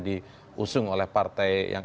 diusung oleh partai yang